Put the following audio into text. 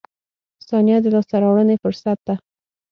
• ثانیه د لاسته راوړنې فرصت ده.